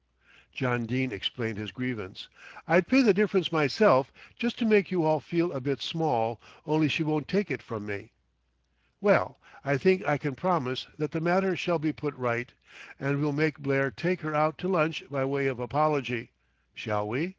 John Dene explained his grievance. "I'd pay the difference myself, just to make you all feel a bit small, only she won't take it from me." "Well, I think I can promise that the matter shall be put right, and we'll make Blair take her out to lunch by way of apology, shall we?"